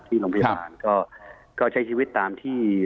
ที่โรงพยาบาลก็ใช้ชีวิตตามที่